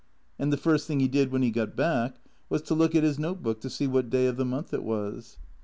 And the first thing he did when he got back was to look at his note book to see what day of the month it was.